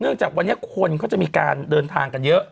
จากวันนี้คนเขาจะมีการเดินทางกันเยอะ